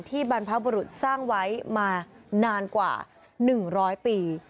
บรรพบุรุษสร้างไว้มานานกว่า๑๐๐ปี